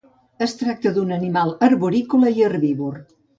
Es tracta d'un animal arborícola i herbívor.